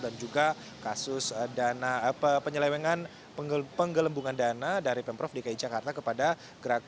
dan juga kasus penyelewengan penggelembungan dana dari pemprov dki jakarta kepada gerak